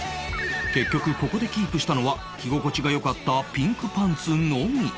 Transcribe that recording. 結局ここでキープしたのは着心地が良かったピンクパンツのみ